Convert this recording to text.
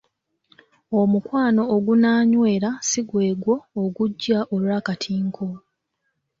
Omukwano ogunaanywera si gwe gwo ogujja olw’akatinko.